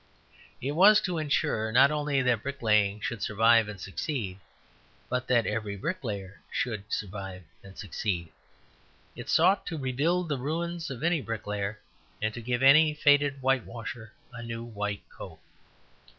It was to ensure, not only that bricklaying should survive and succeed, but that every bricklayer should survive and succeed. It sought to rebuild the ruins of any bricklayer, and to give any faded whitewasher a new white coat.